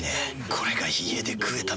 これが家で食えたなら。